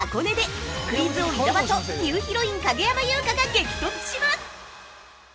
日本有数の温泉地、箱根でクイズ王・伊沢とニューヒロイン影山優佳が激突します！